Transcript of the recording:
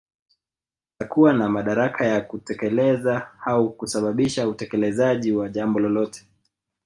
Atakuwa na madaraka ya kutekeleza au kusababisha utekelezaji wa jambo lolote